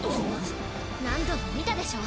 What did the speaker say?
何度も見たでしょう？